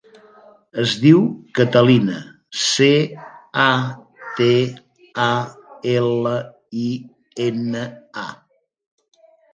Es diu Catalina: ce, a, te, a, ela, i, ena, a.